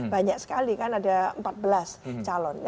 banyak sekali kan ada empat belas calon